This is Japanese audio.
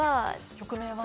曲名はね。